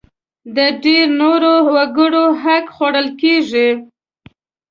د ډېری نورو وګړو حق خوړل کېږي.